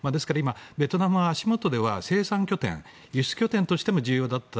ベトナムは足元では生産拠点、輸出拠点としても重要だった。